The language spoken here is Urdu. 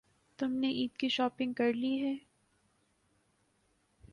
تم نے عید کی شاپنگ کر لی ہے؟